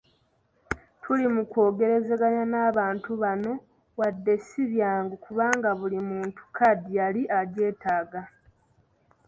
Tuli mukwogerezeganya n'abantu bano wadde si byangu kubanga buli muntu kkaadi yali agyetaaga.